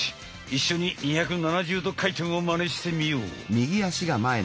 一緒に２７０度回転をマネしてみよう！